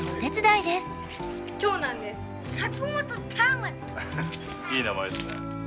いい名前ですね。